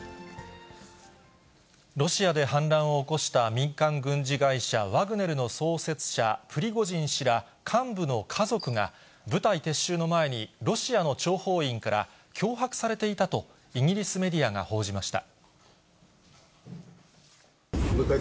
ロシアで反乱を起こした民間軍事会社、ワグネルの創設者、プリゴジン氏ら幹部の家族が、部隊撤収の前に、ロシアの諜報員から脅迫されていたと、イギリスメディアが報じました。